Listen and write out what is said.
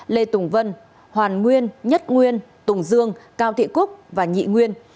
lê tùng vân hoàn nguyên nhất nguyên tùng dương cao thị cúc và nhị nguyên